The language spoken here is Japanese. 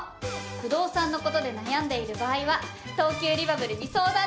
不動産の事で悩んでいる場合は東急リバブルに相談ね。